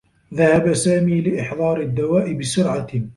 ذهب سامي لإحضار الدّواء بسرعة.